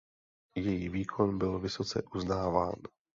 Její výkon byl vysoce uznáván.